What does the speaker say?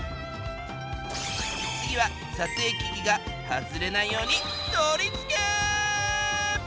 次は撮影機器が外れないように取り付け！